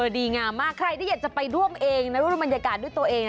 ดีงามมากใครที่อยากจะไปร่วมเองนะร่วมบรรยากาศด้วยตัวเองนะ